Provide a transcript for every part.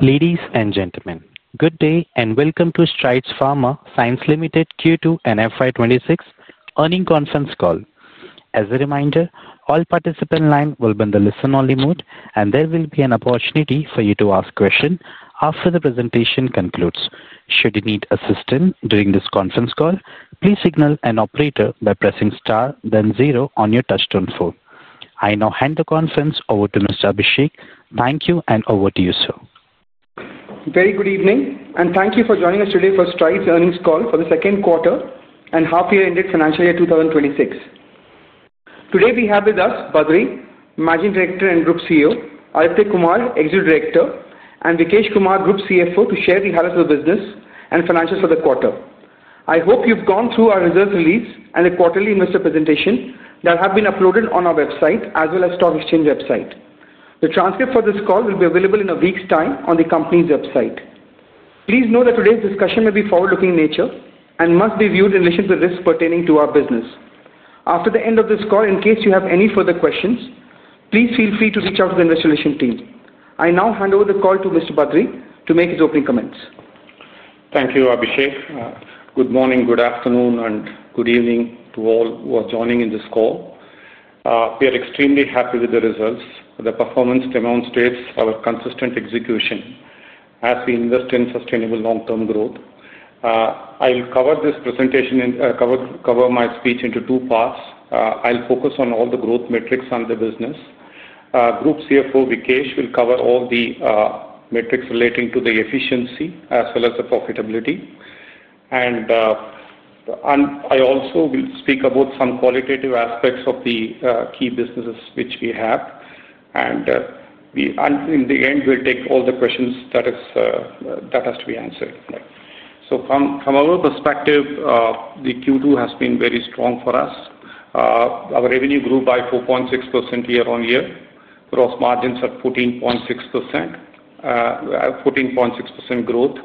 Ladies and gentlemen, good day and welcome to Strides Pharma Science Limited Q2 and FY 2026 earnings conference call. As a reminder, all participants in line will be in the listen-only mode, and there will be an opportunity for you to ask questions after the presentation concludes. Should you need assistance during this conference call, please signal an operator by pressing star, then zero on your touch-tone phone. I now hand the conference over to Mr. Abhishek. Thank you, and over to you, sir. Very good evening, and thank you for joining us today for Strides' earnings call for the second quarter and half-year ended financial year 2026. Today, we have with us Badree, Managing Director and Group CEO, Arun Kumar, Executive Director, and Vikesh Kumar, Group CFO, to share the highlights of the business and financials for the quarter. I hope you've gone through our results release and the quarterly investor presentation that have been uploaded on our website as well as the stock exchange website. The transcript for this call will be available in a week's time on the company's website. Please note that today's discussion may be forward-looking in nature and must be viewed in relation to the risks pertaining to our business. After the end of this call, in case you have any further questions, please feel free to reach out to the investor relations team. I now hand over the call to Mr. Badree to make his opening comments. Thank you, Abhishek. Good morning, good afternoon, and good evening to all who are joining in this call. We are extremely happy with the results. The performance demonstrates our consistent execution as we invest in sustainable long-term growth. I'll cover this presentation and cover my speech in two parts. I'll focus on all the growth metrics on the business. Group CFO Vikesh will cover all the metrics relating to the efficiency as well as the profitability. I also will speak about some qualitative aspects of the key businesses which we have. In the end, we'll take all the questions that have to be answered. From our perspective, Q2 has been very strong for us. Our revenue grew by 4.6% year-on-year. Gross margins are 14.6%, 14.6% growth.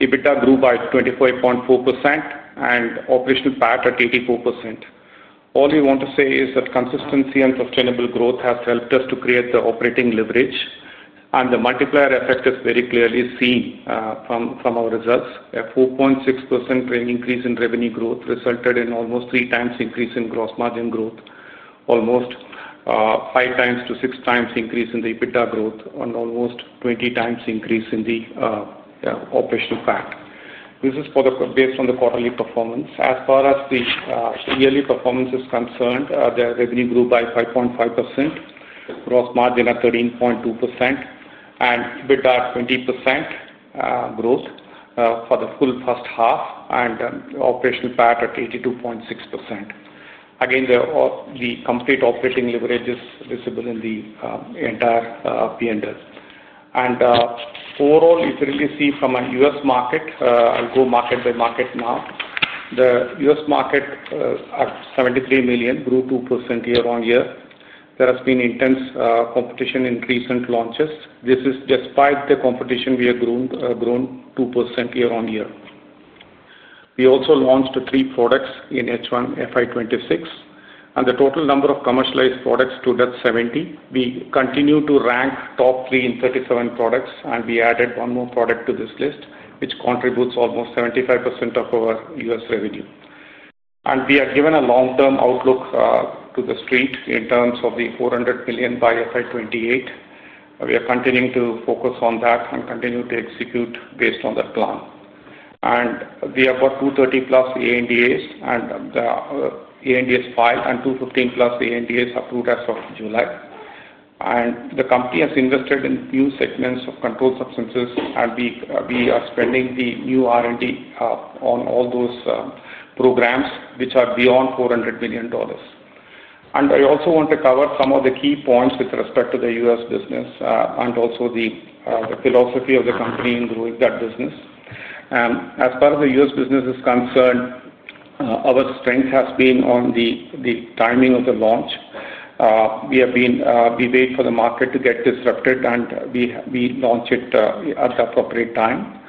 EBITDA grew by 25.4%, and operational PAT at 84%. All we want to say is that consistency and sustainable growth has helped us to create the operating leverage, and the multiplier effect is very clearly seen from our results. A 4.6% increase in revenue growth resulted in almost 3x increase in gross margin growth, almost 5x to 6x increase in the EBITDA growth, and almost 20x increase in the operational PAT. This is based on the quarterly performance. As far as the yearly performance is concerned, the revenue grew by 5.5%, gross margin at 13.2%, and EBITDA at 20% growth for the full first half, and operational PAT at 82.6%. Again, the complete operating leverage is visible in the entire P&L. Overall, if you really see from a U.S. market, I'll go market-by-market now. The U.S. market at $73 million grew 2% year-on-year. There has been intense competition in recent launches. This is despite the competition we have grown 2% year-on-year. We also launched three products in H1 FY 2026, and the total number of commercialized products stood at 70. We continue to rank top three in 37 products, and we added one more product to this list, which contributes almost 75% of our U.S. revenue. We are given a long-term outlook to the street in terms of the $400 million by FY 2028. We are continuing to focus on that and continue to execute based on that plan. We have about 230+ ANDAs filed and 215+ ANDAs approved as of July. The company has invested in new segments of controlled substances, and we are spending the new R&D on all those programs which are beyond $400 million. I also want to cover some of the key points with respect to the U.S. business and the philosophy of the company in growing that business. As far as the U.S. business is concerned, our strength has been on the timing of the launch. We wait for the market to get disrupted, and we launch it at the appropriate time.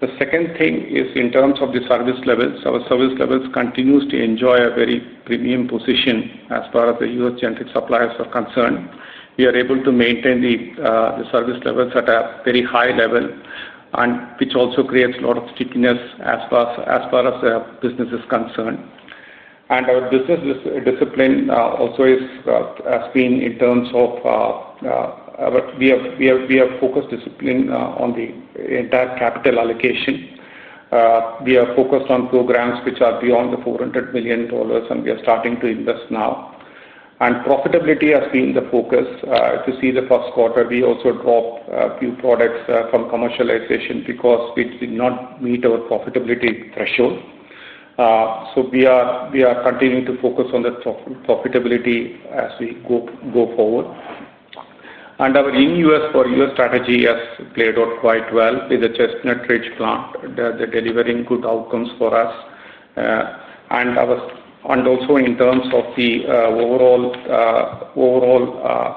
The second thing is in terms of the service levels. Our service levels continue to enjoy a very premium position as far as the U.S. generic suppliers are concerned. We are able to maintain the service levels at a very high level, which also creates a lot of stickiness as far as the business is concerned. Our business discipline also has been in terms of focused discipline on the entire capital allocation. We are focused on programs which are beyond the $400 million, and we are starting to invest now. Profitability has been the focus. You see, the first quarter, we also dropped a few products from commercialization because we did not meet our profitability threshold. We are continuing to focus on the profitability as we go forward. Our in-U.S. for U.S. strategy has played out quite well with the Chestnut Ridge plant. They're delivering good outcomes for us. In terms of the overall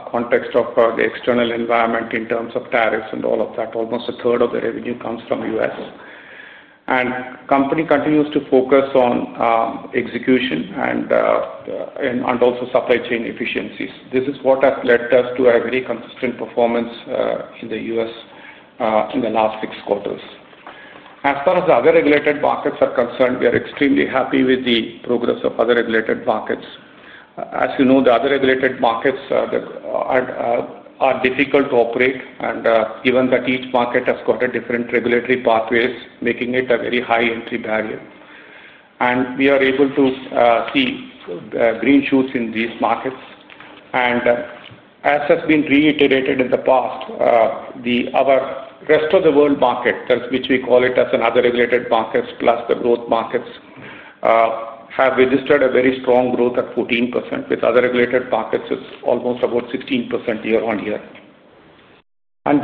context of the external environment in terms of tariffs and all of that, almost 1/3 of the revenue comes from U.S. The company continues to focus on execution and also supply chain efficiencies. This is what has led us to have very consistent performance in the U.S. in the last six quarters. As far as the other regulated markets are concerned, we are extremely happy with the progress of other regulated markets. As you know, the other regulated markets are difficult to operate, and given that each market has got a different regulatory pathway, making it a very high entry barrier. We are able to see green shoots in these markets. As has been reiterated in the past, the rest of the world market, which we call another regulated market plus the growth markets, have registered a very strong growth at 14%. With other regulated markets, it's almost about 16% year-on-year.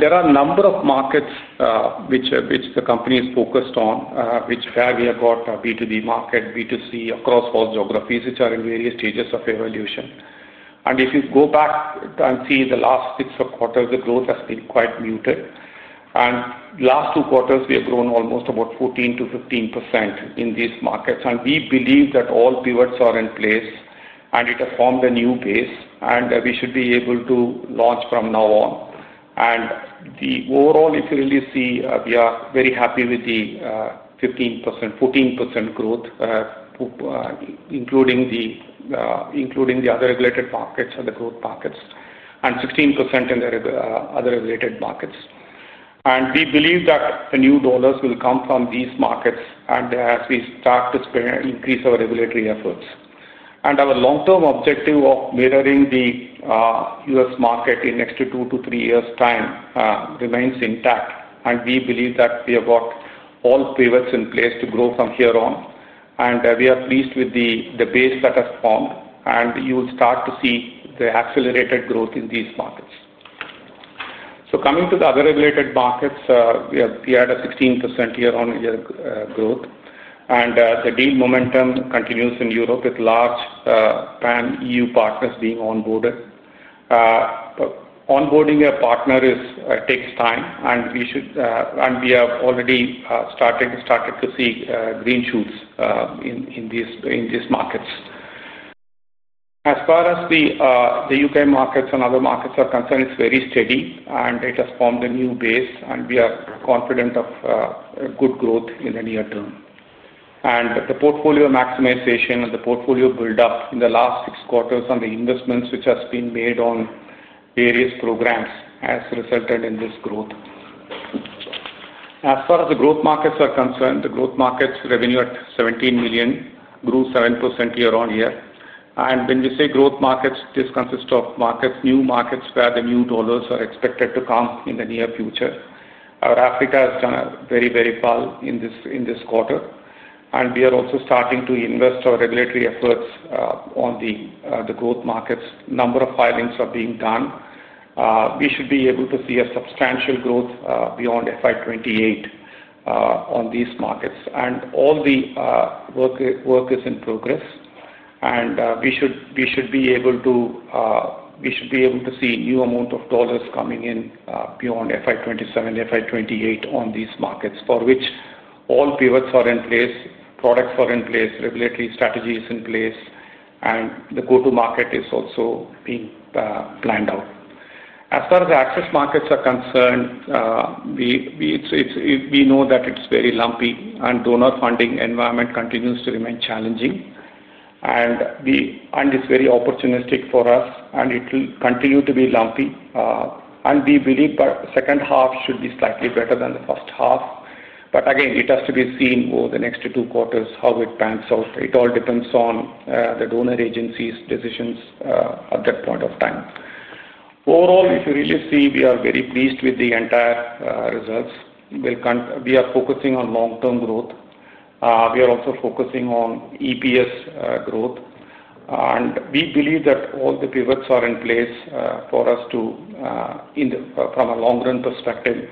There are a number of markets which the company is focused on, which have either got a B2B market, B2C across all geographies, which are in various stages of evolution. If you go back and see the last six quarters, the growth has been quite muted. The last two quarters, we have grown almost about 14 to 15% in these markets. We believe that all pivots are in place, and it has formed a new base, and we should be able to launch from now on. Overall, if you really see, we are very happy with the 15%, 14% growth, including the other regulated markets and the growth markets, and 16% in the other regulated markets. We believe that the new dollars will come from these markets as we start to increase our regulatory efforts. Our long-term objective of mirroring the U.S. market in the next 2-3 years' time remains intact. We believe that we have got all pivots in place to grow from here on. We are pleased with the base that has formed, and you will start to see the accelerated growth in these markets. Coming to the other regulated markets, we had a 16% year-on-year growth, and the deep momentum continues in Europe with large EU partners being onboarded. Onboarding a partner takes time, and we have already started to see green shoots in these markets. As far as the U.K. markets and other markets are concerned, it's very steady, and it has formed a new base, and we are confident of good growth in the near term. The portfolio maximization and the portfolio build-up in the last six quarters and the investments which have been made on various programs has resulted in this growth. As far as the growth markets are concerned, the growth markets revenue at $17 million grew 7% year-on-year. When we say growth markets, this consists of new markets where the new dollars are expected to come in the near future. Our Africa has done very, very well in this quarter. We are also starting to invest our regulatory efforts on the growth markets. A number of filings are being done. We should be able to see a substantial growth beyond FY 2028 in these markets. All the work is in progress, and we should be able to see a new amount of dollars coming in beyond FY 2027, FY 2028 in these markets, for which all pivots are in place, products are in place, regulatory strategy is in place, and the go-to-market is also being planned out. As far as the access markets are concerned, we know that it's very lumpy, and donor funding environment continues to remain challenging. It's very opportunistic for us, and it will continue to be lumpy. We believe the second half should be slightly better than the first half, but again, it has to be seen over the next two quarters how it pans out. It all depends on the donor agencies' decisions at that point of time. Overall, if you really see, we are very pleased with the entire results. We are focusing on long-term growth. We are also focusing on EPS growth. We believe that all the pivots are in place for us from a long-run perspective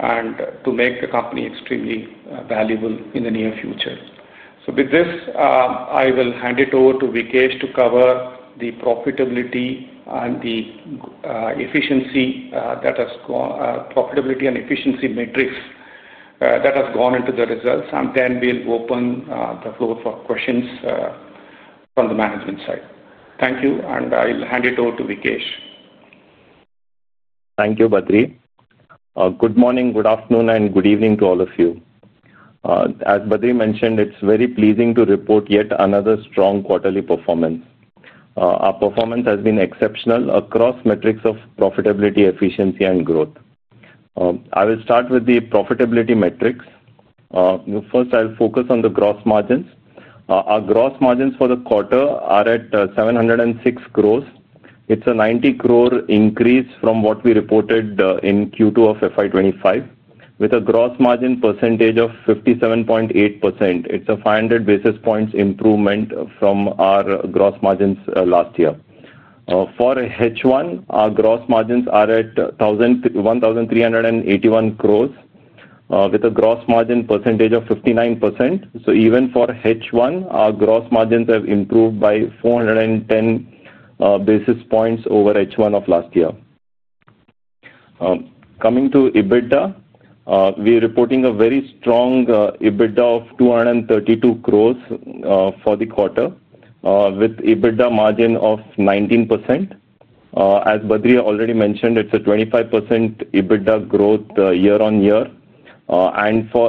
and to make the company extremely valuable in the near future. With this, I will hand it over to Vikesh to cover the profitability and the efficiency metrics that have gone into the results. Then we'll open the floor for questions from the management side. Thank you, and I'll hand it over to Vikesh. Thank you, Badree. Good morning, good afternoon, and good evening to all of you. As Badree mentioned, it's very pleasing to report yet another strong quarterly performance. Our performance has been exceptional across metrics of profitability, efficiency, and growth. I will start with the profitability metrics. First, I'll focus on the gross margins. Our gross margins for the quarter are at 706 crores. It's a 90-crore increase from what we reported in Q2 of FY 2025, with a gross margin percentage of 57.8%. It's a 500 basis points improvement from our gross margins last year. For H1, our gross margins are at 1,381 crores, with a gross margin percentage of 59%. Even for H1, our gross margins have improved by 410 basis points over H1 of last year. Coming to EBITDA, we are reporting a very strong EBITDA of 232 crores for the quarter, with EBITDA margin of 19%. As Badree already mentioned, it's a 25% EBITDA growth year-on-year. For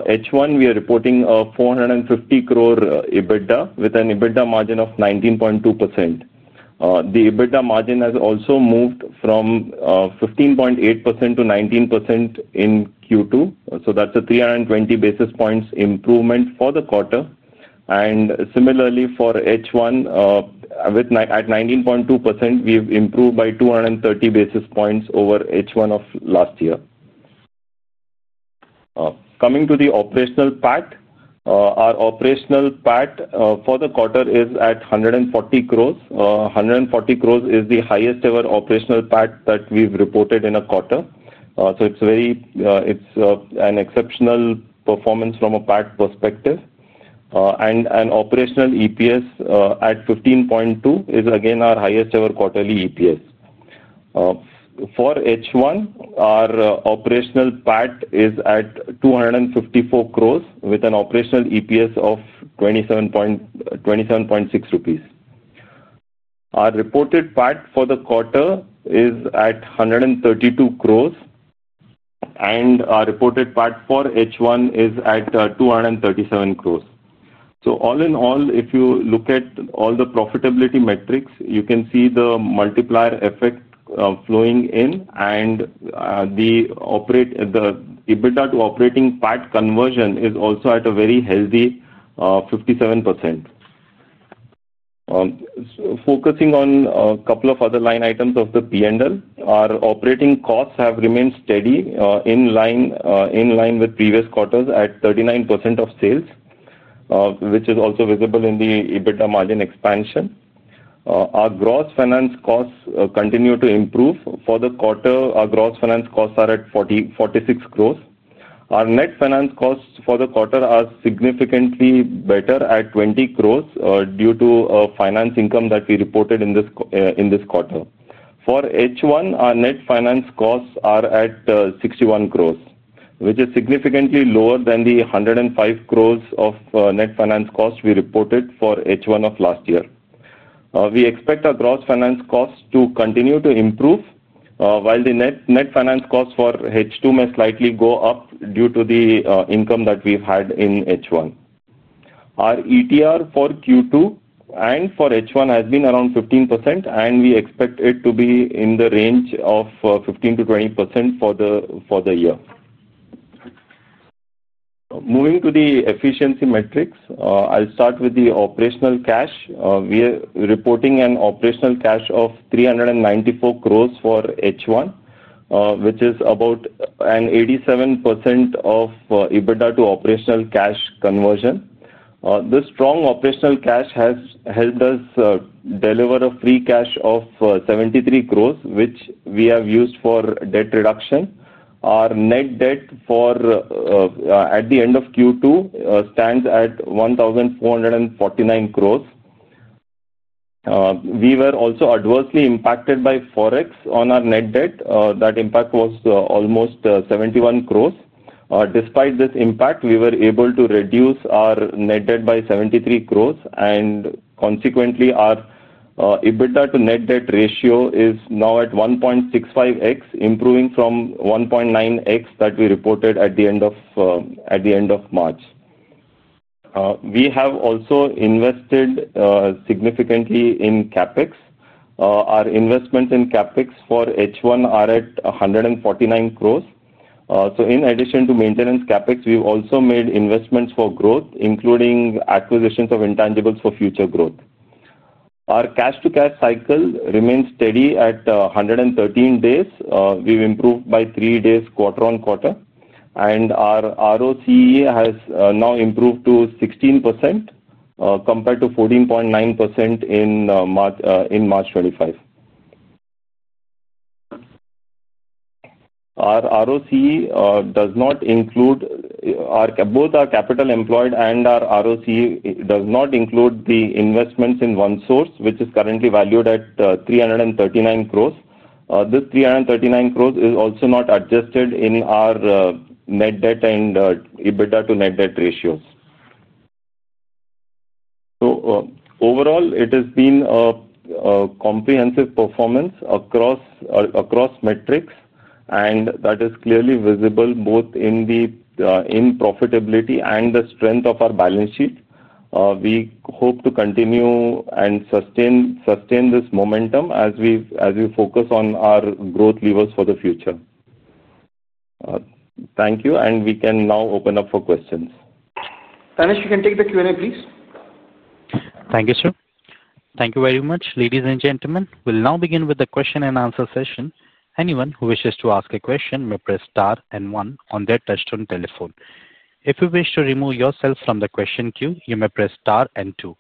H1, we are reporting a 450-crore EBITDA with an EBITDA margin of 19.2%. The EBITDA margin has also moved from 15.8% to 19% in Q2. That's a 320 basis points improvement for the quarter. Similarly, for H1, at 19.2%, we've improved by 230 basis points over H1 of last year. Coming to the operational PAT, our operational PAT for the quarter is at 140 crores. 140 crores is the highest-ever operational PAT that we've reported in a quarter. It's an exceptional performance from a PAT perspective, and an operational EPS at 15.2 is, again, our highest-ever quarterly EPS. For H1, our operational PAT is at 254 crores with an operational EPS of 27.6 rupees. Our reported PAT for the quarter is at 132 crores, and our reported PAT for H1 is at 237 crores. All in all, if you look at all the profitability metrics, you can see the multiplier effect flowing in, and the EBITDA-to-operating PAT conversion is also at a very healthy 57%. Focusing on a couple of other line items of the P&L, our operating costs have remained steady in line with previous quarters at 39% of sales, which is also visible in the EBITDA margin expansion. Our gross finance costs continue to improve. For the quarter, our gross finance costs are at 46 crores. Our net finance costs for the quarter are significantly better at 20 crores due to finance income that we reported in this quarter. For H1, our net finance costs are at 61 crores, which is significantly lower than the 105 crores of net finance costs we reported for H1 of last year. We expect our gross finance costs to continue to improve while the net finance costs for H2 may slightly go up due to the income that we've had in H1. Our ETR for Q2 and for H1 has been around 15%, and we expect it to be in the range of 15% to 20% for the year. Moving to the efficiency metrics, I'll start with the operational cash. We are reporting an operational cash of 394 crore for H1, which is about an 87% of EBITDA-to-operational cash conversion. This strong operational cash has helped us deliver a free cash of 73 crore, which we have used for debt reduction. Our net debt at the end of Q2 stands at 1,449 crore. We were also adversely impacted by forex on our net debt. That impact was almost 71 crore. Despite this impact, we were able to reduce our net debt by 73 crore, and consequently, our EBITDA-to-net debt ratio is now at 1.65x, improving from 1.9x that we reported at the end of March. We have also invested significantly in CapEx. Our investments in CapEx for H1 are at 149 crore. In addition to maintenance CapEx, we've also made investments for growth, including acquisitions of intangibles for future growth. Our cash-to-cash cycle remains steady at 113 days. We've improved by three days quarter-on-quarter, and our ROCE has now improved to 16% compared to 14.9% in March 2025. Our ROCE does not include both our capital employed and our ROCE does not include the investments in OneSource, which is currently valued at 339 crore. This 339 crore is also not adjusted in our net debt and EBITDA-to-net debt ratios. Overall, it has been a comprehensive performance across metrics, and that is clearly visible both in profitability and the strength of our balance sheet. We hope to continue and sustain this momentum as we focus on our growth levers for the future. Thank you, and we can now open up for questions. Panish, you can take the Q&A, please. Thank you, sir. Thank you very much, ladies and gentlemen. We'll now begin with the question and answer session. Anyone who wishes to ask a question may press star and one on their touchscreen telephone. If you wish to remove yourself from the question queue, you may press star and two.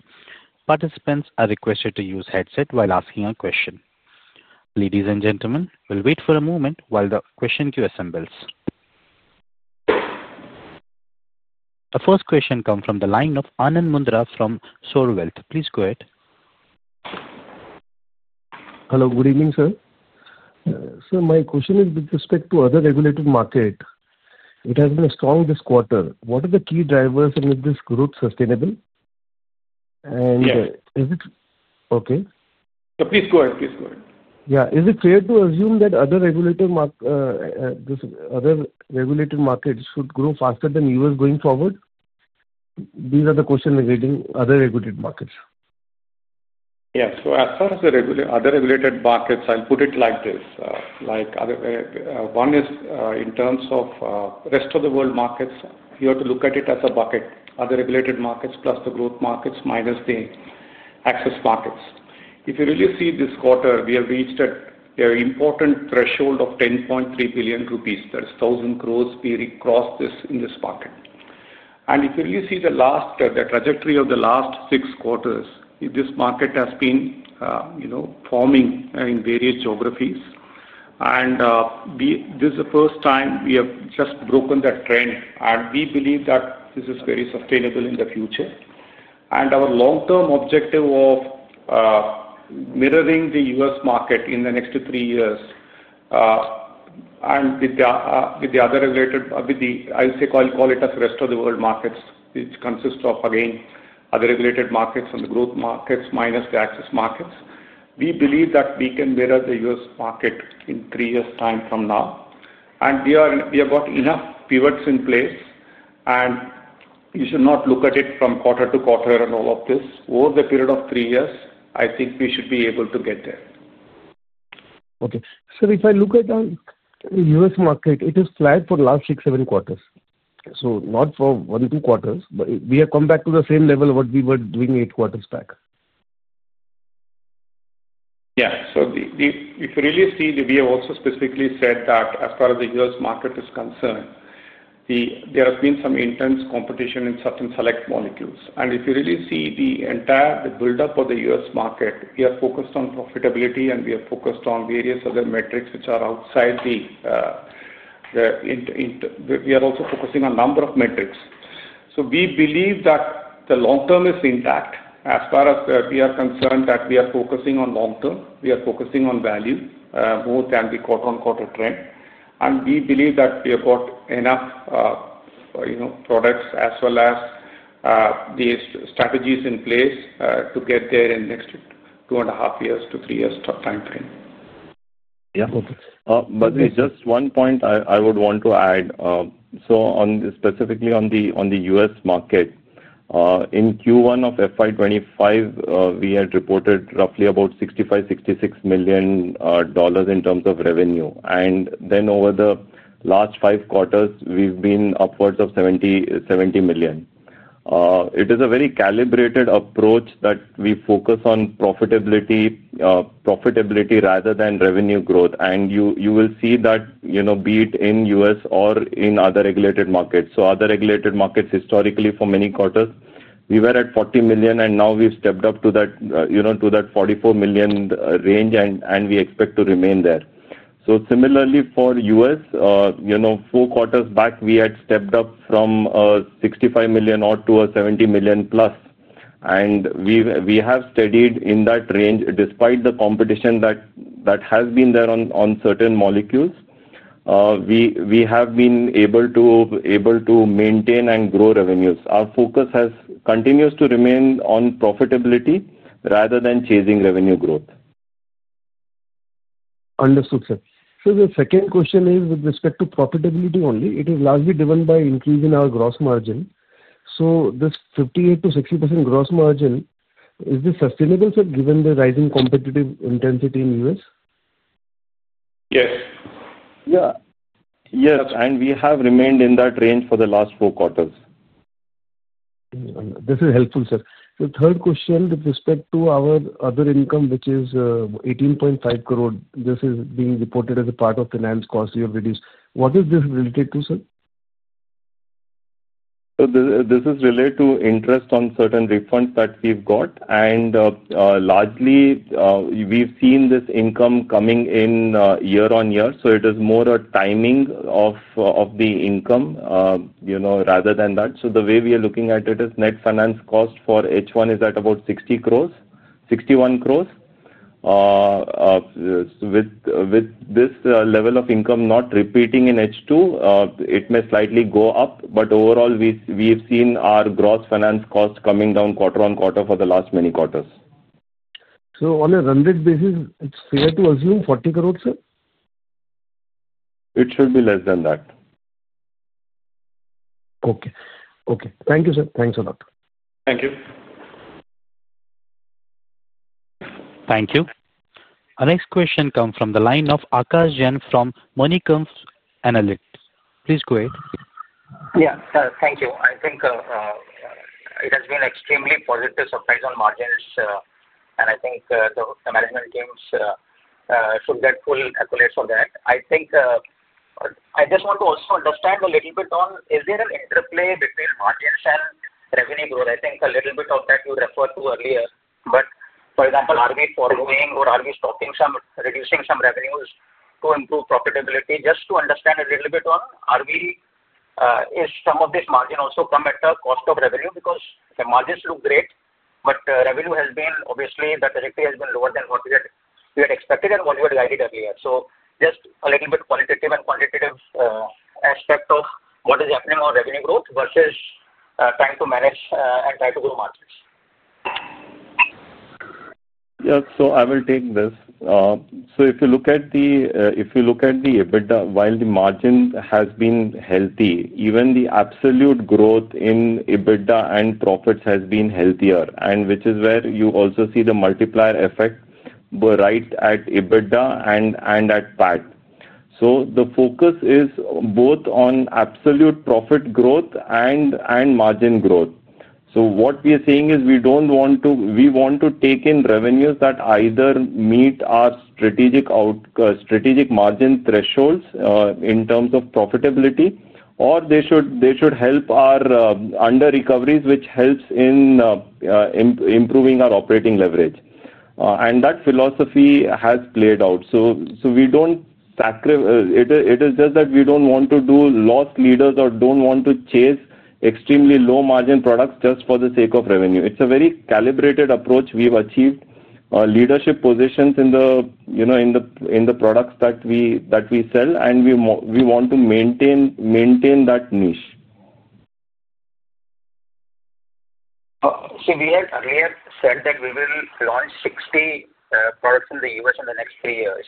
Participants are requested to use headsets while asking a question. Ladies and gentlemen, we'll wait for a moment while the question queue assembles. The first question comes from the line of Anand Mundra from SoarWealth. Please go ahead. Hello, good evening, sir. Sir, my question is with respect to other regulated markets. It has been strong this quarter. What are the key drivers, is this growth sustainable, and is it okay? Please go ahead. Please go ahead. Yeah. Is it fair to assume that other regulated markets should grow faster than U.S. going forward? These are the questions regarding other regulated markets. Yes. As far as the other regulated markets, I'll put it like this. One is in terms of the rest of the world markets, you have to look at it as a bucket: other regulated markets plus the growth markets minus the access markets. If you really see this quarter, we have reached an important threshold of 10.3 billion rupees. That is 1,000 crore we recrossed in this market. If you really see the trajectory of the last six quarters, this market has been performing in various geographies. This is the first time we have just broken that trend. We believe that this is very sustainable in the future. Our long-term objective of mirroring the U.S. market in the next 2,3 years, and with the other regulated, I would say I'll call it as rest of the world markets, which consists of, again, other regulated markets and the growth markets minus the access markets, we believe that we can mirror the U.S. market in 3 years' time from now. We have got enough pivots in place. You should not look at it from quarter to quarter. Over the period of 3 years, I think we should be able to get there. Okay. Sir, if I look at the U.S. market, it has been flat for the last six, seven quarters. Not for one, two quarters, but we have come back to the same level of what we were doing eight quarters back. Yeah. If you really see, we have also specifically said that as far as the U.S. market is concerned, there has been some intense competition in certain select molecules. If you really see the entire buildup of the U.S. market, we are focused on profitability, and we are focused on various other metrics which are outside the. We are also focusing on a number of metrics. We believe that the long term is intact. As far as we are concerned, we are focusing on long term. We are focusing on value more than the quarter-on-quarter trend. We believe that we have got enough products as well as these strategies in place to get there in the next 2.5 years-3 years' time frame. Yeah. Badree, just one point I would want to add. Specifically on the U.S. market, in Q1 of FY 2025, we had reported roughly about $65 million, $66 million in terms of revenue. Over the last five quarters, we've been upwards of $70 million. It is a very calibrated approach that we focus on profitability rather than revenue growth, and you will see that, be it in U.S. or in other regulated markets. Other regulated markets, historically, for many quarters, we were at $40 million, and now we've stepped up to that $44 million range, and we expect to remain there. Similarly, for U.S., four quarters back, we had stepped up from $65 million to $70+ million, and we have steadied in that range despite the competition that has been there on certain molecules. We have been able to maintain and grow revenues. Our focus continues to remain on profitability rather than chasing revenue growth. Understood, sir. The second question is with respect to profitability only. It is largely driven by increase in our gross margin. This 58%-60% gross margin, is this sustainable, sir, given the rising competitive intensity in the U.S.? Yes. Yeah. Yes, we have remained in that range for the last four quarters. This is helpful, sir. The third question with respect to our other income, which is 18.5 crore, this is being reported as a part of finance costs we have reduced. What is this related to, sir? This is related to interest on certain refunds that we've got. Largely, we've seen this income coming in year-on-year. It is more a timing of the income rather than that. The way we are looking at it is net finance cost for H1 is at about 61 crore. With this level of income not repeating in H2, it may slightly go up. Overall, we've seen our gross finance cost coming down quarter on quarter for the last many quarters. On a rounded basis, it's fair to assume 40 crore, sir? It should be less than that. Okay. Thank you, sir. Thanks a lot. Thank you. Thank you. Our next question comes from the line of Akash Jain from MoneyCurves Analytics. Please go ahead. Thank you. I think it has been an extremely positive surprise on margins, and I think the management teams should get full accolades for that. I just want to also understand a little bit on, is there an interplay between margins and revenue growth? I think a little bit of that you referred to earlier. For example, are we forgoing or are we stopping, reducing some revenues to improve profitability? Just to understand a little bit on, are we, is some of this margin also coming at the cost of revenue? Because the margins look great, but revenue has been, obviously, the trajectory has been lower than what we had expected and what we had guided earlier. Just a little bit qualitative and quantitative aspect of what is happening on revenue growth versus trying to manage and try to grow margins. Yeah. I will take this. If you look at the EBITDA, while the margin has been healthy, even the absolute growth in EBITDA and profits has been healthier, which is where you also see the multiplier effect right at EBITDA and at PAT. The focus is both on absolute profit growth and margin growth. What we are saying is we don't want to, we want to take in revenues that either meet our strategic margin thresholds in terms of profitability, or they should help our under-recoveries, which helps in improving our operating leverage. That philosophy has played out. We don't want to do loss leaders or chase extremely low margin products just for the sake of revenue. It's a very calibrated approach. We've achieved leadership positions in the products that we sell, and we want to maintain that niche. We have said that we will launch 60 products in the U.S. in the next 3 years.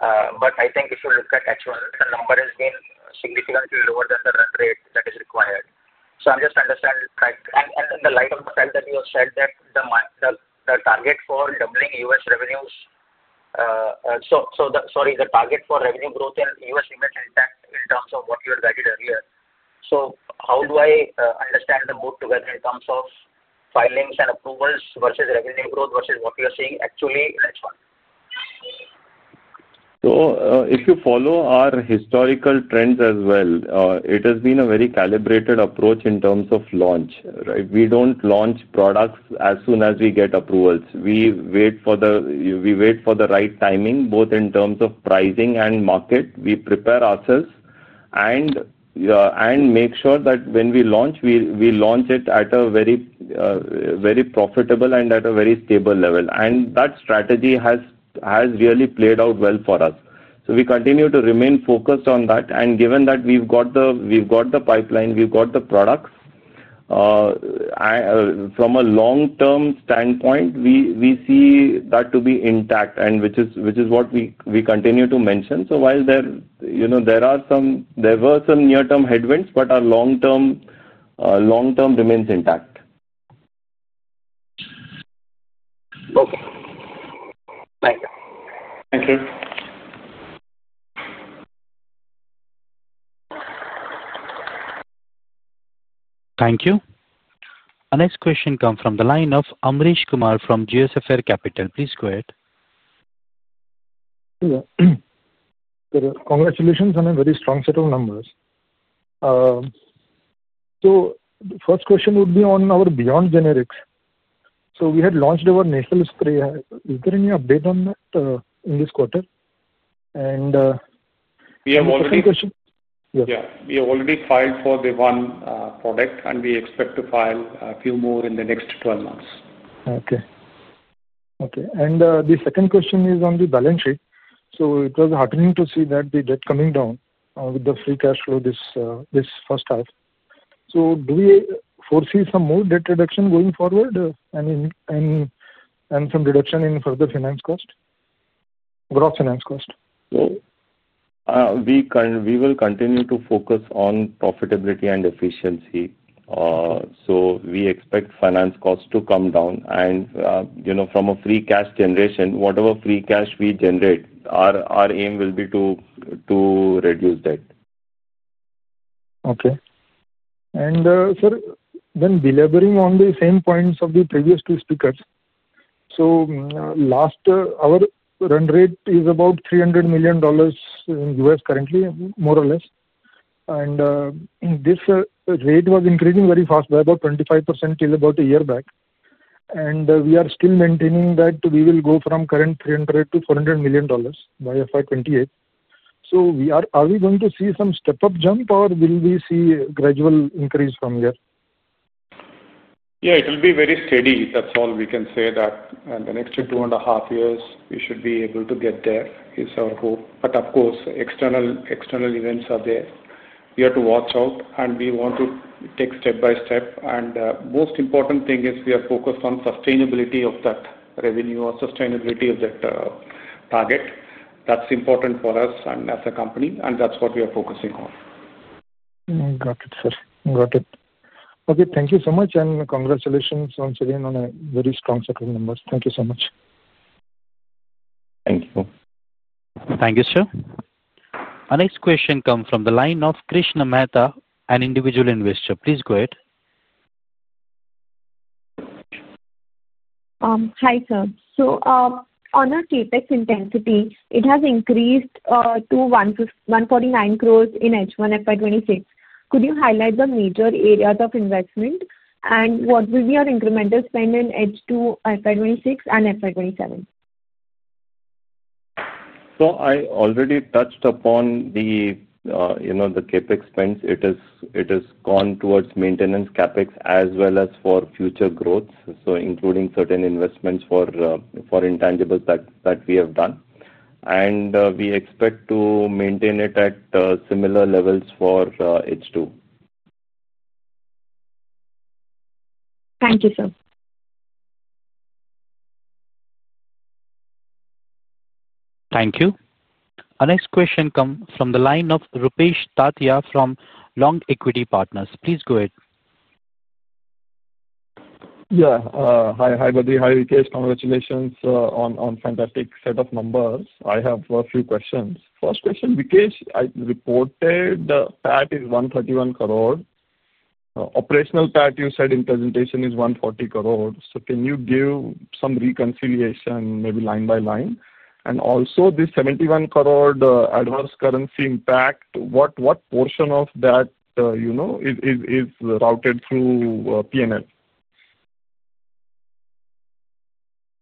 I think if you look at actual, the number has been significantly lower than the run rate that is required. I'm just trying to understand, in the light of the fact that you have said that the target for doubling U.S. revenues, sorry, the target for revenue growth in U.S. remains intact in terms of what you had guided earlier. How do I understand the both together in terms of filings and approvals versus revenue growth versus what we are seeing actually in H1? If you follow our historical trends as well, it has been a very calibrated approach in terms of launch. We don't launch products as soon as we get approvals. We wait for the right timing, both in terms of pricing and market. We prepare ourselves and make sure that when we launch, we launch it at a very profitable and at a very stable level. That strategy has really played out well for us. We continue to remain focused on that. Given that we've got the pipeline, we've got the products. From a long-term standpoint, we see that to be intact, which is what we continue to mention. While there were some near-term headwinds, our long term remains intact. Okay, thank you. Thank you. Thank you. Our next question comes from the line of Amresh Kumar from Geosphere Capital. Please go ahead. Congratulations on a very strong set of numbers. The first question would be on our Beyond Generics. We had launched our nasal spray. Is there any update on that in this quarter? We have already. The second question. Yeah, we have already filed for the one product, and we expect to file a few more in the next 12 months. Okay. The second question is on the balance sheet. It was heartening to see that the debt coming down with the free cash flow this first half. Do we foresee some more debt reduction going forward, and some reduction in further finance cost? Gross finance cost? We will continue to focus on profitability and efficiency. We expect finance costs to come down. From a free cash generation, whatever free cash we generate, our aim will be to reduce that. Okay. Sir, delivering on the same points of the previous two speakers, our run rate is about $300 million in the U.S. currently, more or less. This rate was increasing very fast by about 25% till about a year back. We are still maintaining that we will go from the current $300 million to $400 million by FY 2028. Are we going to see some step-up jump, or will we see a gradual increase from here? Yeah. It will be very steady. That's all we can say that in the next 2.5 years, we should be able to get there, is our hope. Of course, external events are there. We have to watch out, and we want to take step by step. The most important thing is we are focused on sustainability of that revenue or sustainability of that target. That's important for us and as a company. That's what we are focusing on. Got it, sir. Got it. Okay. Thank you so much. Congratulations once again on a very strong set of numbers. Thank you so much. Thank you. Thank you, sir. Our next question comes from the line of Krishna Mehta, an individual investor. Please go ahead. Hi, sir. On our CapEx intensity, it has increased to 149 crore in H1 FY 2026. Could you highlight the major areas of investment, and what will be our incremental spend in H2 F 20Y26 and FY 2027? I already touched upon the CapEx spends. It has gone towards maintenance CapEx as well as for future growth, including certain investments for intangibles that we have done. We expect to maintain it at similar levels for H2. Thank you, sir. Thank you. Our next question comes from the line of Rupesh Tatiya from Long Equity Partners. Please go ahead. Yeah. Hi, Badree. Hi, Vikesh. Congratulations on a fantastic set of numbers. I have a few questions. First question, Vikesh, I reported the PAT is 131 crore. Operational PAT, you said in presentation, is 140 crore. Can you give some reconciliation, maybe line by line? Also, this 71 crore adverse currency impact, what portion of that is routed through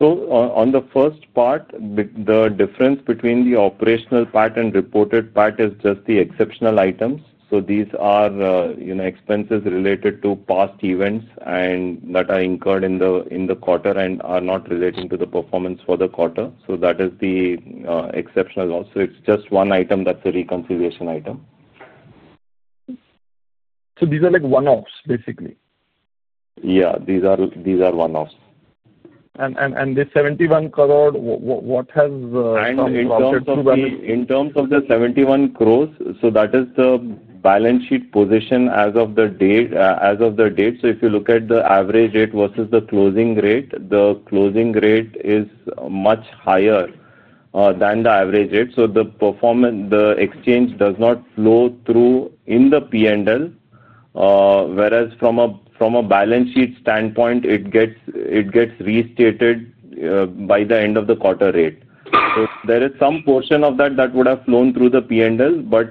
P&L? The difference between the operational PAT and reported PAT is just the exceptional items. These are expenses related to past events that are incurred in the quarter and are not relating to the performance for the quarter. That is the exceptional also. It's just one item that's a reconciliation item. These are like one-offs, basically? Yeah, these are one-offs. This 71 crore, what has the. In terms of the 71 crores, that is the balance sheet position as of the date. If you look at the average rate versus the closing rate, the closing rate is much higher than the average rate. The exchange does not flow through in the P&L, whereas from a balance sheet standpoint, it gets restated by the end of the quarter rate. There is some portion of that that would have flown through the P&L, but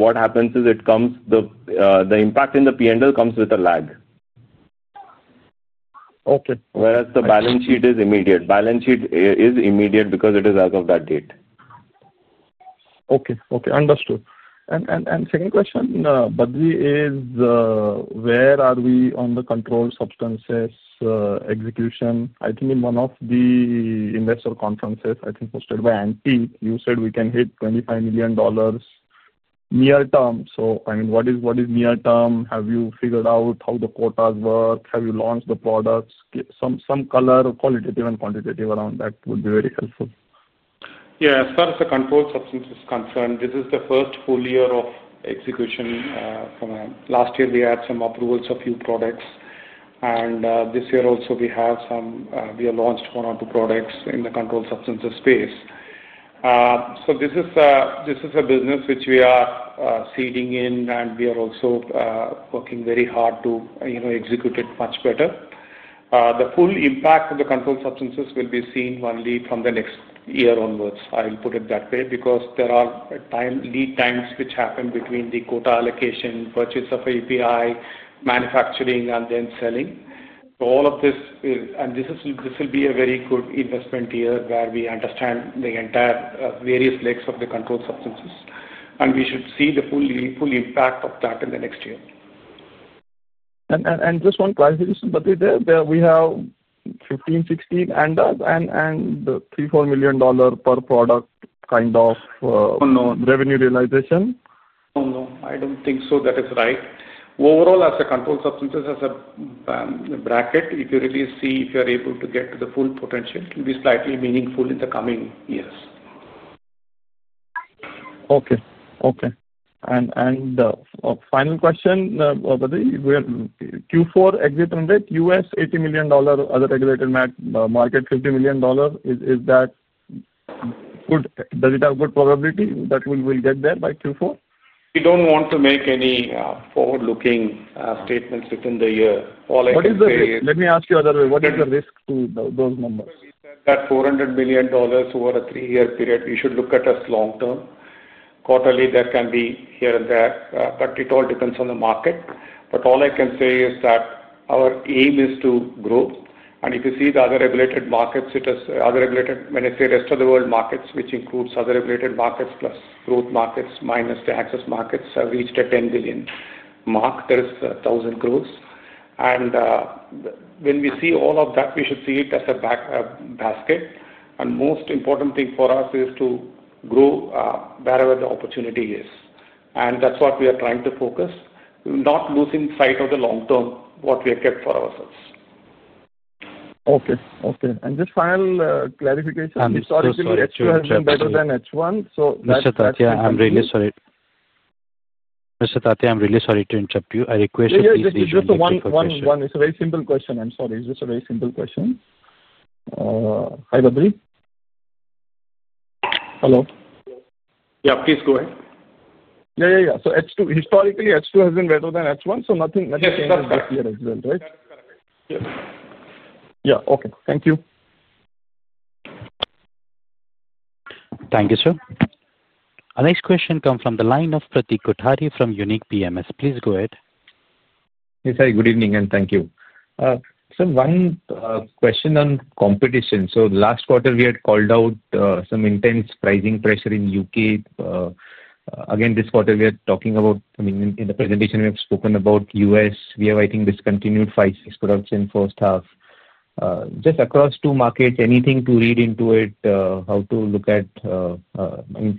what happens is the impact in the P&L comes with a lag. Okay. Whereas the balance sheet is immediate. The balance sheet is immediate because it is as of that date. Okay. Understood. Second question, Badree, is where are we on the controlled substances execution? I think in one of the investor conferences, I think hosted by ANTI, you said we can hit $25 million near term. What is near term? Have you figured out how the quotas work? Have you launched the products? Some color, qualitative and quantitative around that would be very helpful. Yeah. As far as the controlled substances are concerned, this is the first full year of execution. Last year, we had some approvals of a few products. This year also, we have launched one or two products in the controlled substances space. This is a business which we are seeding in, and we are also working very hard to execute it much better. The full impact of the controlled substances will be seen only from the next year onwards. I'll put it that way because there are lead times which happen between the quota allocation, purchase of API, manufacturing, and then selling. All of this will be a very good investment year where we understand the entire various legs of the controlled substances, and we should see the full impact of that in the next year. Just one clarification, Badree, we have 15, 16, and thus, and the $3 million, $4 million per product kind of. No, no. Revenue realization? No, I don't think so. That is right. Overall, as controlled substances as a bracket, if you really see if you're able to get to the full potential, it will be slightly meaningful in the coming years. Okay. Final question, Badree, Q4 exit on that, U.S. $80 million, other regulated market $50 million. Is that good? Does it have good probability that we will get there by Q4? We don't want to make any forward-looking statements within the year. All I can say is. Let me ask you another way. What is the risk to those numbers? That $400 million over a 3-year period, we should look at us long-term. Quarterly, there can be here and there. It all depends on the market. All I can say is that our aim is to grow. If you see the other regulated markets, it is other regulated, when I say rest of the world markets, which includes other regulated markets plus growth markets minus the access markets, have reached a $10 billion mark. There is 1,000 growths. When we see all of that, we should see it as a basket. The most important thing for us is to grow wherever the opportunity is. That's what we are trying to focus on, not losing sight of the long term, what we have kept for ourselves. Okay. Just final clarification. Historically, H2 has been better than H1. Mr. Tatiya, I'm really sorry to interrupt you. I request you please listen to this question. It's a very simple question. I'm sorry. It's just a very simple question. Hi, Badree. Hello? Yeah, please go ahead. Yeah. Historically, H2 has been better than H1. Nothing changes this year as well, right? That's correct. Yeah, okay. Thank you. Thank you, sir. Our next question comes from the line of Pratik Kothari from Unique PMS. Please go ahead. Yes, hi. Good evening and thank you. Sir, one question on competition. Last quarter, we had called out some intense pricing pressure in the U.K. This quarter, we are talking about, I mean, in the presentation, we have spoken about US. We have, I think, discontinued 56 products in the first half. Just across two markets, anything to read into it, how to look at it.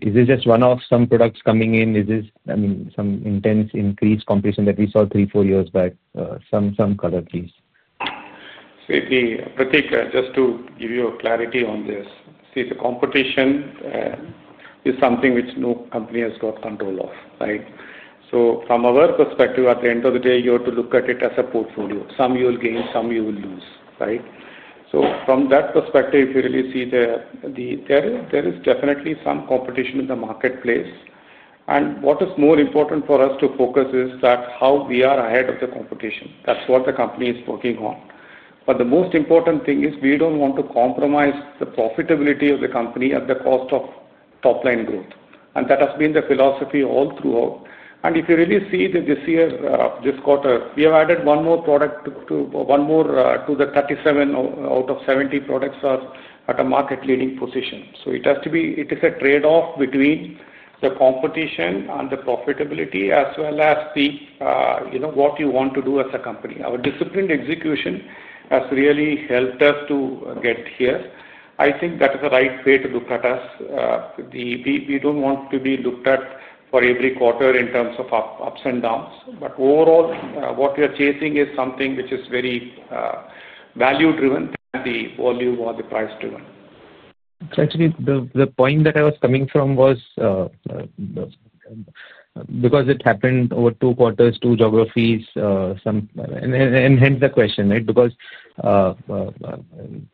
Is it just one-off, some products coming in? Is this some intense increased competition that we saw 3, 4 years back? Some color, please. Pratik, just to give you clarity on this, see, the competition is something which no company has got control of, right? From our perspective, at the end of the day, you have to look at it as a portfolio. Some you will gain, some you will lose, right? From that perspective, if you really see, there is definitely some competition in the marketplace. What is more important for us to focus on is how we are ahead of the competition. That's what the company is working on. The most important thing is we don't want to compromise the profitability of the company at the cost of top-line growth. That has been the philosophy all throughout. If you really see that this year, this quarter, we have added one more product to one more to the 37 out of 70 products are at a market-leading position. It is a trade-off between the competition and the profitability as well as what you want to do as a company. Our disciplined execution has really helped us to get here. I think that is the right way to look at us. We don't want to be looked at for every quarter in terms of ups and downs. Overall, what we are chasing is something which is very value-driven than the volume or the price-driven. Actually, the point that I was coming from was because it happened over two quarters, two geographies, and hence the question, right?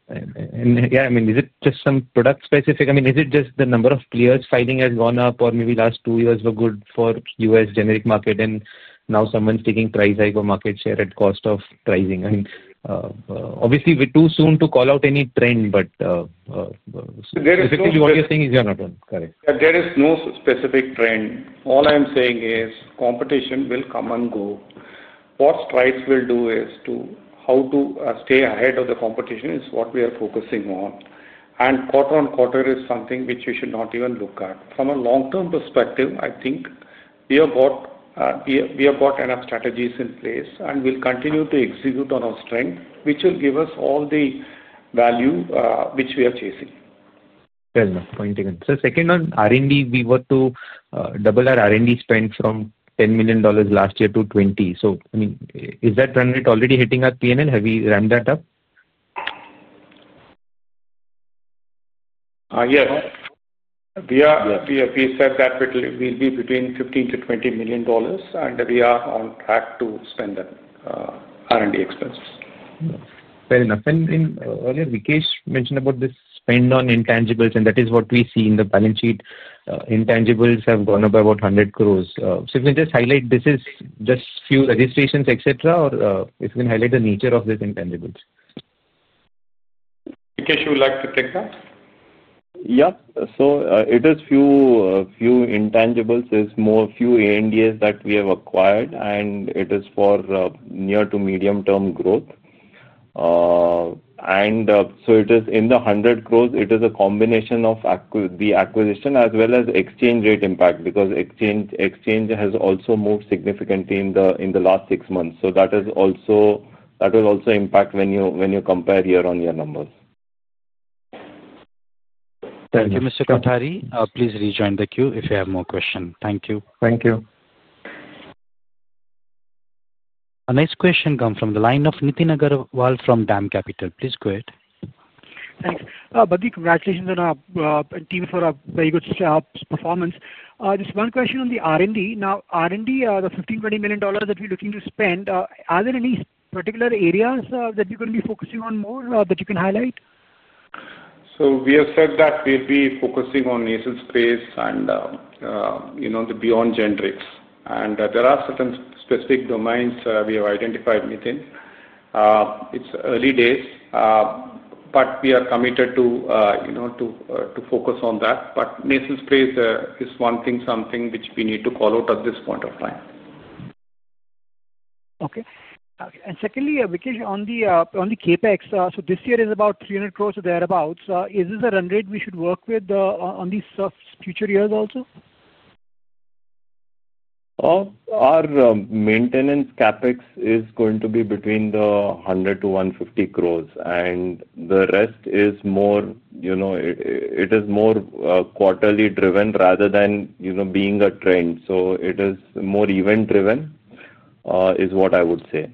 I mean, is it just some product-specific? I mean, is it just the number of players fighting has gone up, or maybe last 2 years were good for U.S. generic market, and now someone's taking price hike or market share at cost of pricing? I mean, obviously, we're too soon to call out any trend, but basically, what you're saying is you're not on correct. There is no specific trend. All I am saying is competition will come and go. What Strides will do is to how to stay ahead of the competition is what we are focusing on. Quarter-on-quarter is something which we should not even look at. From a long-term perspective, I think we have got enough strategies in place and will continue to execute on our strength, which will give us all the value which we are chasing. Pointed out. Sir, second. R&D, we got to double our R&D spend from $10 million last year to $20 million. I mean, is that run rate already hitting our P&L? Have we ramped that up? Yes. We said that it will be between $15 million to $20 million, and we are on track to spend that. R&D expenses. Fair enough. Earlier, Vikesh mentioned about this spend on intangibles, and that is what we see in the balance sheet. Intangibles have gone up by about 100 crore. If you can just highlight, this is just a few registrations, etc., or if you can highlight the nature of these intangibles. Vikesh, you would like to take that? Yeah. It is a few intangibles, a few ANDAs that we have acquired, and it is for near to medium-term growth. It is in the 100 crore. It is a combination of the acquisition as well as exchange rate impact because exchange has also moved significantly in the last 6 months. That will also impact when you compare year-on-year numbers. Thank you, Mr. Kothari. Please rejoin the queue if you have more questions. Thank you. Thank you. Our next question comes from the line of Nitin Agarwal from DAM Capital. Please go ahead. Thanks. Badree, congratulations on our team for a very good performance. Just one question on the R&D. Now, R&D, the $15 million, $20 million that we're looking to spend, are there any particular areas that you're going to be focusing on more that you can highlight? We have said that we'll be focusing on nasal sprays and the Beyond Generics. There are certain specific domains we have identified within. It's early days, but we are committed to focus on that. Nasal sprays is one thing, something which we need to call out at this point of time. Okay. Secondly, Vikesh, on the CapEx, this year is about 300 crore or thereabouts. Is this a run rate we should work with on these future years also? Our maintenance CapEx is going to be between 100 to 150 crore. The rest is more quarterly driven rather than being a trend. It is more event-driven, is what I would say.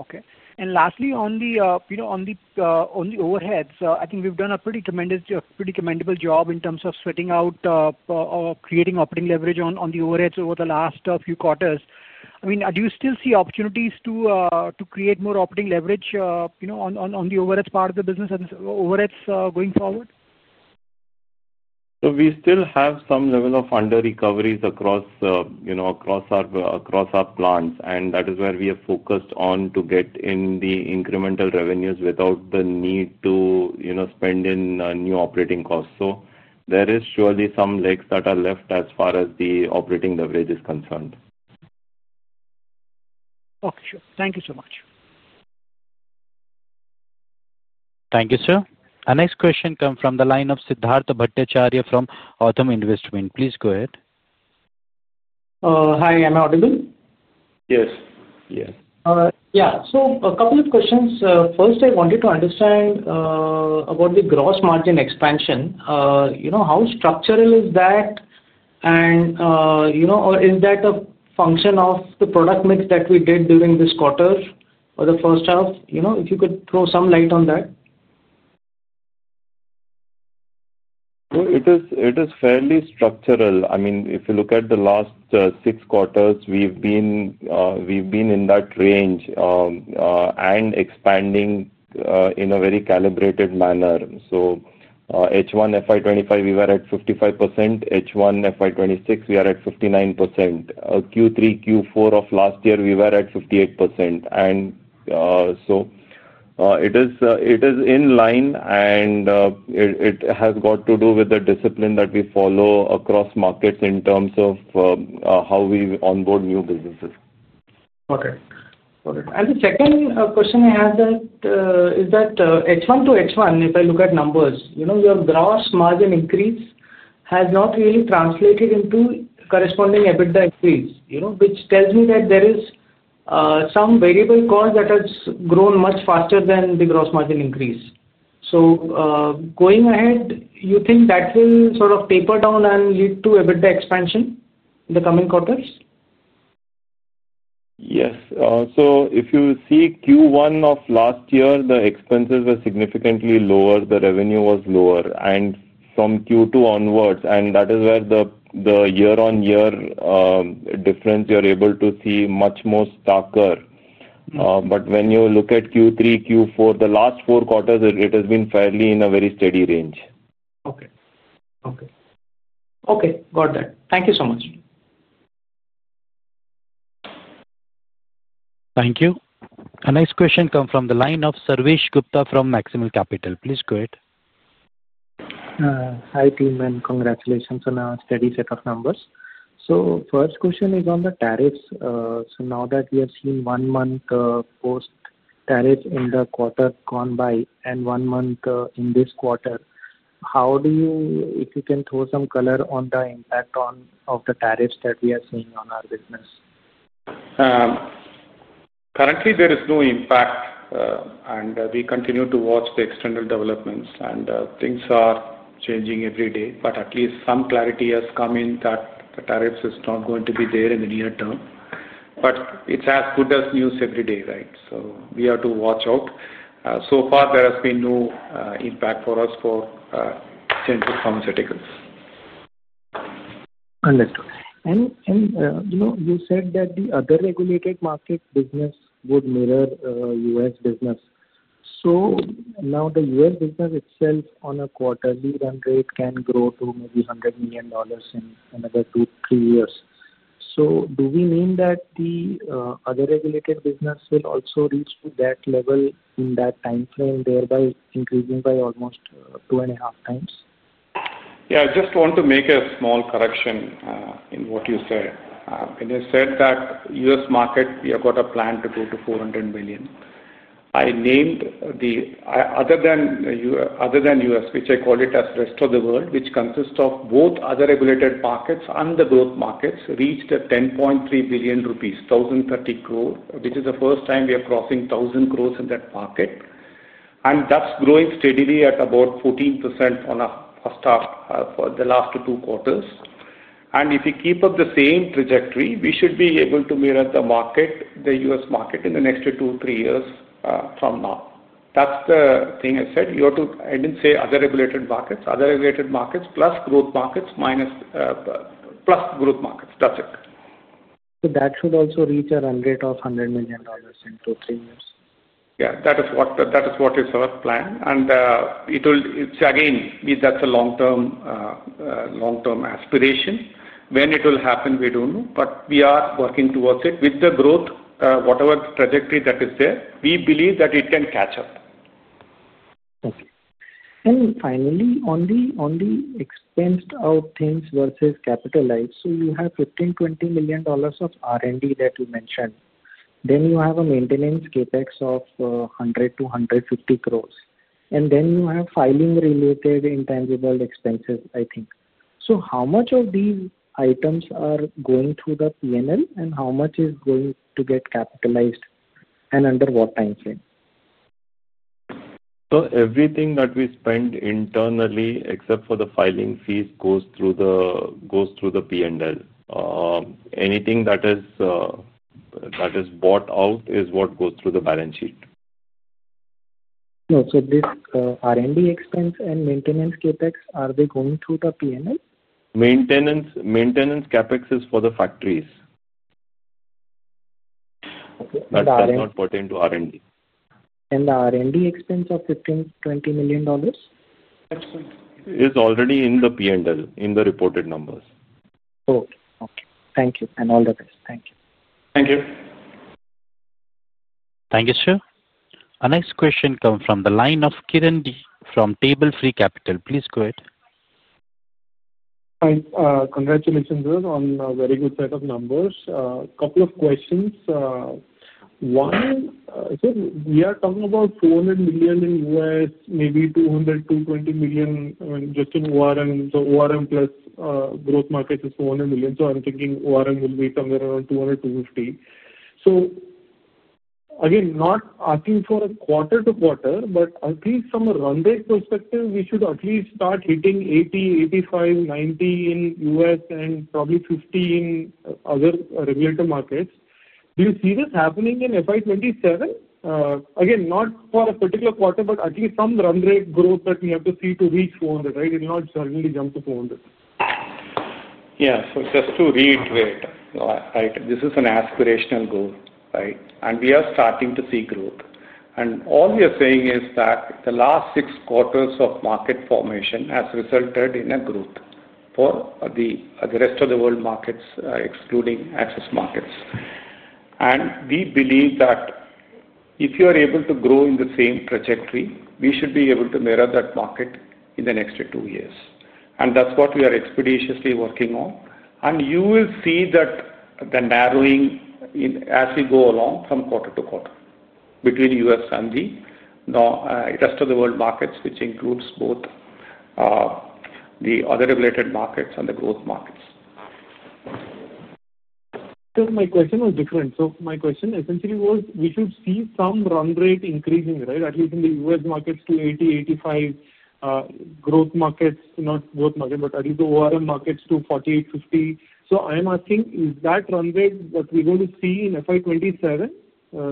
Okay. Lastly, on the overheads, I think we've done a pretty commendable job in terms of setting out, creating operating leverage on the overheads over the last few quarters. Do you still see opportunities to create more operating leverage on the overhead part of the business, overheads going forward? We still have some level of under-recoveries across our plants, and that is where we have focused on to get in the incremental revenues without the need to spend in new operating costs. There is surely some legs that are left as far as the operating leverage is concerned. Okay, sure. Thank you so much. Thank you, sir. Our next question comes from the line of Siddhartha Bhattacharya from Authum Investment. Please go ahead. Hi, am I audible? Yes. Yes. Yeah, a couple of questions. First, I wanted to understand about the gross margin expansion. How structural is that? Is that a function of the product mix that we did during this quarter or the first half? If you could throw some light on that. It is fairly structural. I mean, if you look at the last six quarters, we've been in that range and expanding in a very calibrated manner. H1 FY 2025, we were at 55%. H1 FY 2026, we are at 59%. Q3, Q4 of last year, we were at 58%. It is in line, and it has got to do with the discipline that we follow across markets in terms of how we onboard new businesses. Okay. The second question I have is that H1-to-H1, if I look at numbers, your gross margin increase has not really translated into corresponding EBITDA increase, which tells me that there is some variable cost that has grown much faster than the gross margin increase. Going ahead, you think that will sort of taper down and lead to EBITDA expansion in the coming quarters? Yes. If you see Q1 of last year, the expenses were significantly lower, the revenue was lower. From Q2 onwards, that is where the year-on-year difference you're able to see is much more starker. When you look at Q3, Q4, the last four quarters, it has been fairly in a very steady range. Okay. Got that. Thank you so much. Thank you. Our next question comes from the line of Sarvesh Gupta from Maximal Capital. Please go ahead. Hi, team, and congratulations on a steady set of numbers. First question is on the tariffs. Now that we have seen one month post-tariff in the quarter gone by and one month in this quarter, can you throw some color on the impact of the tariffs that we are seeing on our business? Currently, there is no impact. We continue to watch the external developments, and things are changing every day. At least some clarity has come in that the tariffs is not going to be there in the near term. It's as good as news every day, right? We have to watch out. So far, there has been no impact for us for same goes for pharmaceuticals. Understood. You said that the other regulated market business would mirror U.S. business. The U.S. business itself, on a quarterly run rate, can grow to maybe $100 million in another 2, 3 years. Do we mean that the other regulated business will also reach that level in that timeframe, thereby increasing by almost 2.5x? Yeah. I just want to make a small correction in what you said. When you said that U.S. market, we have got a plan to go to $400 million. I named. Other than U.S., which I call it as rest of the world, which consists of both other regulated markets and the growth markets, reached at 10.3 billion rupees, 1,030 crore, which is the first time we are crossing 1,000 crore in that market. That's growing steadily at about 14% on a first half for the last two quarters. If you keep up the same trajectory, we should be able to mirror the market, the U.S. market, in the next 2, 3 years from now. That's the thing I said. You have to, I didn't say other regulated markets, other regulated markets plus growth markets, minus. Plus growth markets. That's it. That should also reach a run rate of $100 million in 2, 3 years? Yeah, that is what is our plan. Again, that's a long-term aspiration. When it will happen, we don't know, but we are working towards it. With the growth, whatever trajectory that is there, we believe that it can catch up. Thank you. Finally, on the expensed-out things versus capitalized, you have $15 million, $20 million of R&D that you mentioned. You have a maintenance CapEx of 100 crore to 150 crore, and you have filing-related intangible expenses, I think. How much of these items are going through the P&L, and how much is going to get capitalized, and under what timeframe? Everything that we spend internally, except for the filing fees, goes through the P&L. Anything that is bought out is what goes through the balance sheet. Are these R&D expense and maintenance CapEx going through the P&L? Maintenance CapEx is for the factories. Okay. The R&D? That is not pertinent to R&D. The R&D expense of $15 million, $20 million? Is already in the P&L, in the reported numbers. Okay. Thank you. All the best. Thank you. Thank you. Thank you, sir. Our next question comes from the line of Kiran Dee from Table Free Capital. Please go ahead. Hi. Congratulations, sir, on a very good set of numbers. A couple of questions. One, we are talking about $400 million in the U.S., maybe $200 million, $220 million just in ORM. ORM plus growth market is $400 million. I'm thinking ORM will be somewhere around $200 million, $250 million. Again, not asking for a quarter to quarter, but at least from a run rate perspective, we should at least start hitting $80 million, $85 million, $90 million in the U.S. and probably $50 million in other regulated markets. Do you see this happening in FY 2027? Again, not for a particular quarter, but at least some run rate growth that we have to see to reach $400 million, right? It will not suddenly jump to $400 million. Yeah. Just to reiterate, this is an aspirational goal, right? We are starting to see growth. All we are saying is that the last six quarters of market formation has resulted in a growth for the rest of the world markets, excluding access markets. We believe that if you are able to grow in the same trajectory, we should be able to mirror that market in the next two years. That's what we are expeditiously working on. You will see the narrowing as we go along from quarter to quarter between the U.S. and the rest of the world markets, which includes both the other regulated markets and the growth markets. My question essentially was, we should see some run rate increasing, right? At least in the U.S. markets to 80, 85. Growth markets, not growth market, but at least the ORM markets to 48, 50. I am asking, is that run rate that we're going to see in FY 2027,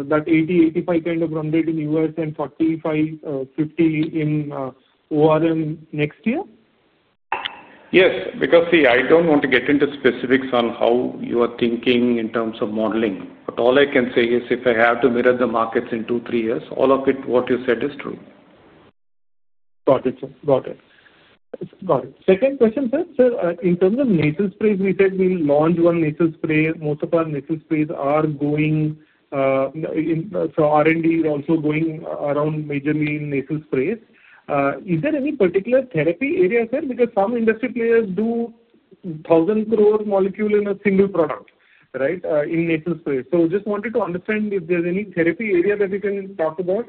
that 80, 85 kind of run rate in U.S. and 45, 50 in ORM next year? Yes. I don't want to get into specifics on how you are thinking in terms of modeling. All I can say is, if I have to mirror the markets in 2, 3 years, all of what you said is true. Got it, sir. Second question, sir. In terms of nasal sprays, we said we'll launch one nasal spray. Most of our nasal sprays are going. R&D is also going around majorly in nasal sprays. Is there any particular therapy area, sir? Because some industry players do 1,000 crore molecule in a single product, right, in nasal sprays. Just wanted to understand if there's any therapy area that we can talk about.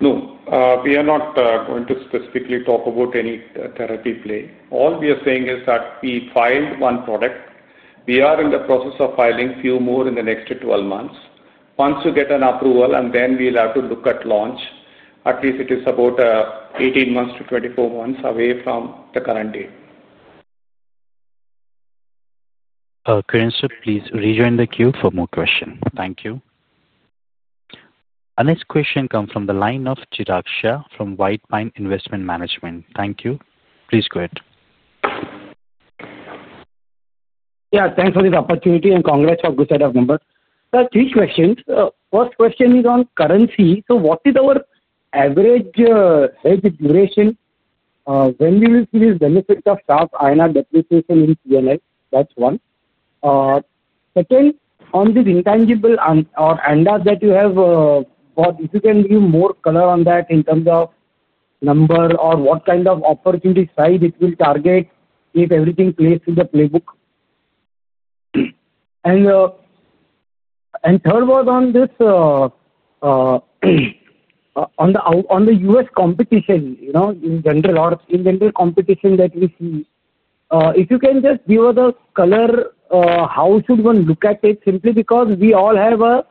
No, we are not going to specifically talk about any therapy play. All we are saying is that we filed one product. We are in the process of filing a few more in the next 12 months. Once we get an approval, we'll have to look at launch. At least it is about 18 months to 24 months away from the current date. Kiran, sir, please rejoin the queue for more questions. Thank you. Our next question comes from the line of Chirag Shah from White Pine Investment Management. Thank you. Please go ahead. Yeah. Thanks for this opportunity and congrats for a good set of numbers. Sir, three questions. First question is on currency. What is our average hedge duration? When will we see these benefits of stock INR depreciation in P&L? That's one. Second, on this intangible or ANDA that you have, if you can give more color on that in terms of number or what kind of opportunity size it will target if everything plays to the playbook? Third was on the U.S. competition, in general or in general competition that we see. If you can just give us a color, how should one look at it? Simply because we all have a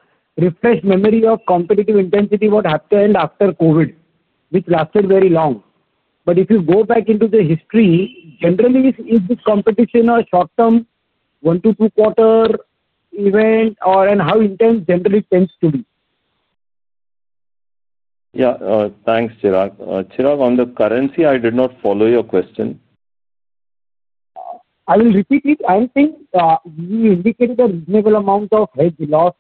refreshed memory of competitive intensity after COVID, which lasted very long. If you go back into the history, generally, is this competition a short-term one to two-quarter event, and how intense generally tends to be? Yeah. Thanks, Chirag. On the currency, I did not follow your question. I will repeat it. I think you indicated a reasonable amount of hedge loss.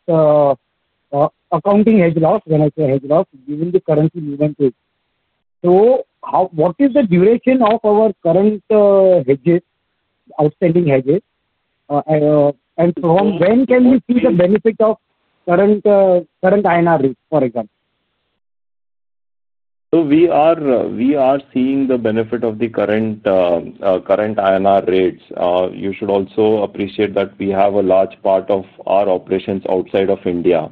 Accounting hedge loss when I say hedge loss, given the currency movement. What is the duration of our current outstanding hedges, and from when can we see the benefit of current INR rates, for example? We are seeing the benefit of the current INR rates. You should also appreciate that we have a large part of our operations outside of India,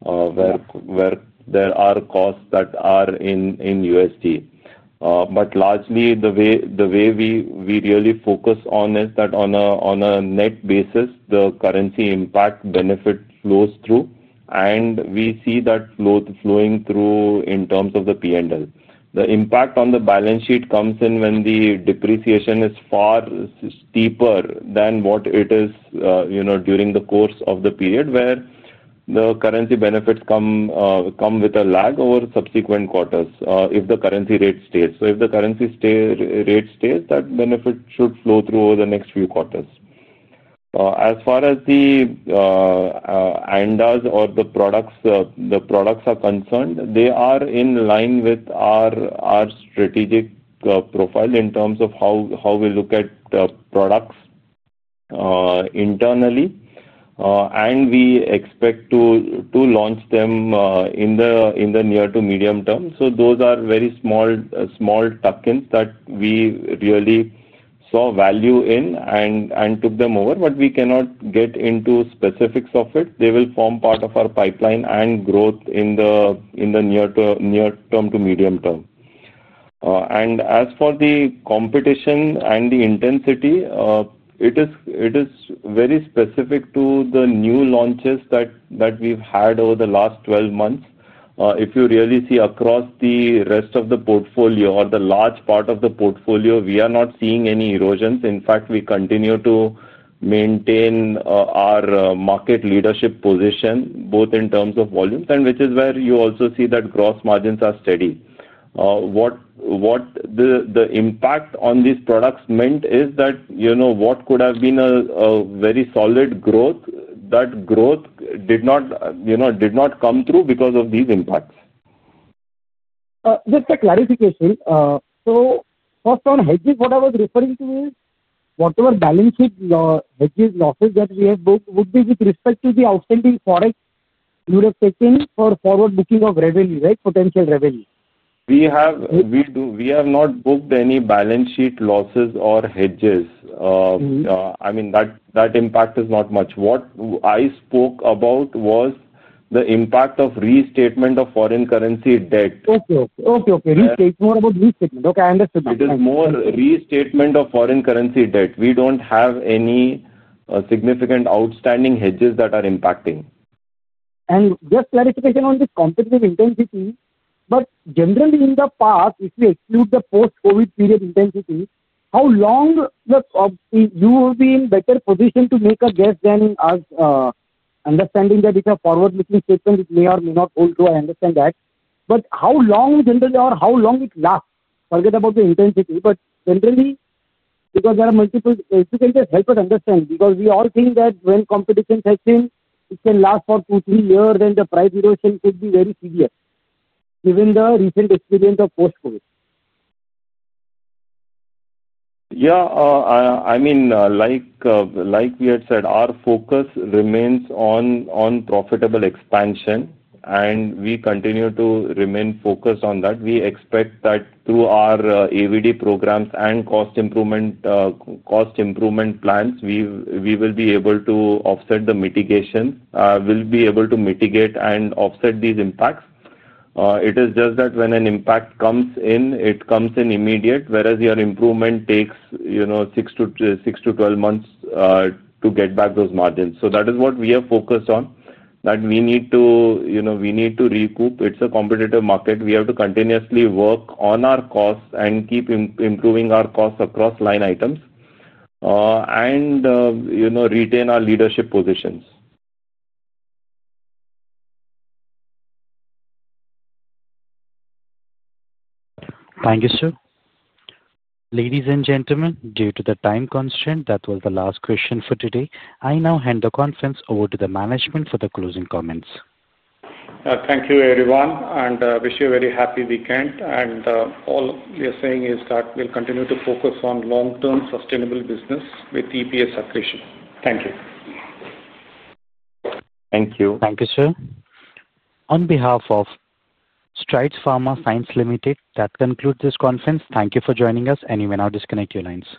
where there are costs that are in USD. Largely, the way we really focus on is that on a net basis, the currency impact benefit flows through, and we see that flowing through in terms of the P&L. The impact on the balance sheet comes in when the depreciation is far steeper than what it is during the course of the period where the currency benefits come, with a lag over subsequent quarters if the currency rate stays. If the currency rate stays, that benefit should flow through over the next few quarters. As far as the ANDAs or the products are concerned, they are in line with our strategic profile in terms of how we look at the products internally, and we expect to launch them in the near to medium term. Those are very small tuck-ins that we really saw value in and took them over, but we cannot get into specifics of it. They will form part of our pipeline and growth in the near term to medium term. As for the competition and the intensity, it is very specific to the new launches that we've had over the last 12 months. If you really see across the rest of the portfolio or the large part of the portfolio, we are not seeing any erosions. In fact, we continue to maintain our market leadership position, both in terms of volumes, and which is where you also see that gross margins are steady. What the impact on these products meant is that what could have been a very solid growth, that growth did not come through because of these impacts. Just a clarification. First, on hedges, what I was referring to is whatever balance sheet hedges losses that we have booked would be with respect to the outstanding forex you would have taken for forward booking of revenue, right? Potential revenue. We have not booked any balance sheet losses or hedges. That impact is not much. What I spoke about was the impact of restatement of foreign currency debt. Okay. Restatement, more about restatement. Okay. I understood that. It is more restatement of foreign currency debt. We don't have any significant outstanding hedges that are impacting. Just clarification on this competitive intensity. Generally, in the past, if we exclude the post-COVID period intensity, how long? You will be in better position to make a guess than us. Understanding that it's a forward-looking statement, it may or may not hold true. I understand that. How long generally, or how long it lasts? Forget about the intensity. Generally, because there are multiple things, if you can just help us understand, because we all think that when competition sets in, it can last for 2, 3 years, and the price erosion could be very serious, given the recent experience of post-COVID. Yeah. I mean, like we had said, our focus remains on profitable expansion, and we continue to remain focused on that. We expect that through our AVD programs and cost improvement plans, we will be able to offset the mitigation. We will be able to mitigate and offset these impacts. It is just that when an impact comes in, it comes in immediate, whereas your improvement takes 6-12 months to get back those margins. That is what we are focused on, that we need to recoup. It's a competitive market. We have to continuously work on our costs and keep improving our costs across line items and retain our leadership positions. Thank you, sir. Ladies and gentlemen, due to the time constraint, that was the last question for today. I now hand the conference over to the management for the closing comments. Thank you, everyone. I wish you a very happy weekend. We are saying that we'll continue to focus on long-term sustainable business with EPS accretion. Thank you. Thank you. Thank you, sir. On behalf of Strides Pharma Science Limited, that concludes this conference. Thank you for joining us, and you may now disconnect your lines.